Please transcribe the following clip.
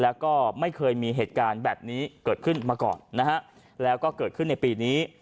แล้วก็ไม่เคยมีเหตุการณ์แบบนี้เกิดขึ้นมาก่อนนะฮะแล้วก็เกิดขึ้นในปีนี้